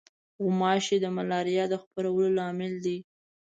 غوماشې د ملاریا د خپرولو لامل دي.